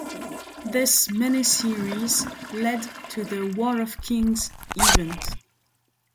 This mini-series led to the War of Kings event.